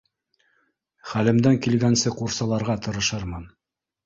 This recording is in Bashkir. Хәлемдән килгәнсе ҡурсаларға тырышырмын.